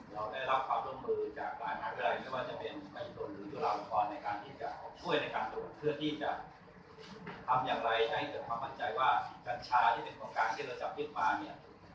เราได้รับความร่วมมือจากการทางเงินรายไม่ว่าจะเป็นไม่จนหรืออยู่ราวอุปกรณ์ในการที่จะช่วยในการตรวจเพื่อที่จะทำอย่างไรให้เกิดความมั่นใจว่ากัญชาที่เป็นของการเครื่องโทรศัพท์ยึดมาเนี่ย